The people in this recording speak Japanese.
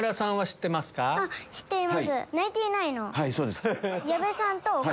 はいそうです。